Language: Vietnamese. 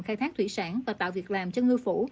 khai thác thủy sản và tạo việc làm cho ngư phủ